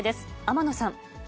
天野さん。